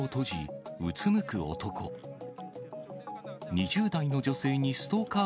２０代女性にストーカー。